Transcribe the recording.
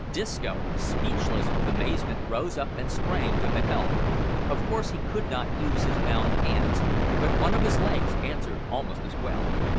Disco, speechless with amazement, rose up and sprang to the helm. Of course he could not use his bound hands, but one of his legs answered almost as well.